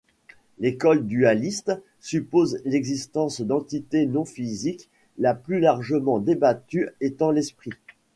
L'école dualiste suppose l'existence d'entités non-physiques, la plus largement débattue étant l'esprit.